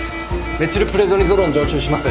メチルプレドニゾロン静注します。